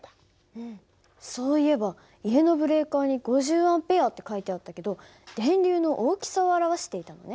そういえば家のブレーカーに５０Ａって書いてあったけど電流の大きさを表していたのね。